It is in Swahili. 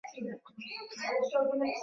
wayahudi walihusika kwenye mauaji ya kimbari